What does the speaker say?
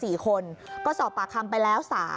มีคนเจ็บ๔คนก็สอบปากคำไปแล้ว๓